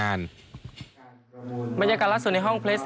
มันก็จะมีข้าวโหม๒ถูกนะคะ